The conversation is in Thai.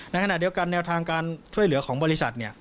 ในขณะเดียวกันแนวทางการช่วยเหลือของบริษัท